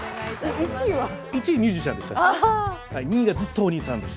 １位ミュージシャンでした。